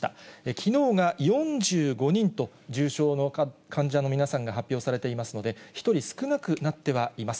きのうが４５人と、重症の患者の皆さんが発表されていますので、１人少なくなってはいます。